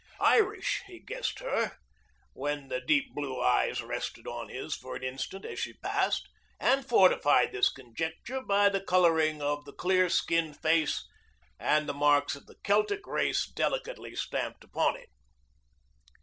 Irish he guessed her when the deep blue eyes rested on his for an instant as she passed, and fortified his conjecture by the coloring of the clear skinned face and the marks of the Celtic race delicately stamped upon it.